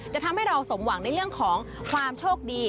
ทำให้เราสมหวังในเรื่องของความโชคดี